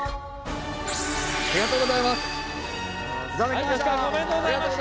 ありがとうございます。